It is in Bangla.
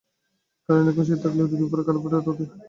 কারণ, এখন শীত থাকলেও দুদিন পরেই কাঠফাটা রোদে জলের তেষ্টা পাবে।